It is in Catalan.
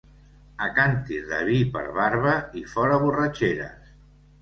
A càntir de vi per barba i fora borratxeres.